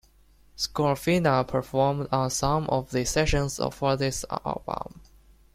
Scorfina performed on some of the sessions for this album.